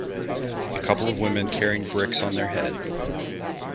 A couple of woman carrying bricks on there head.